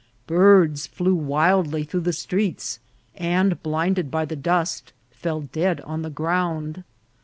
Birds flew wildly through the streets, and, blinded by the dust, fell dead on the ground.